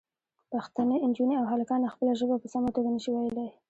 پښتنې نجونې او هلکان خپله ژبه په سمه توګه نه شي ویلی.